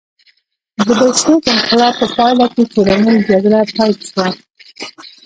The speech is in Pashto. د بلشویک انقلاب په پایله کې کورنۍ جګړه پیل شوه